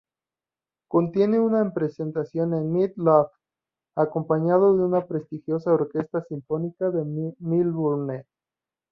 Contiene una presentación de Meat Loaf acompañado de la prestigiosa Orquesta Sinfónica de Melbourne.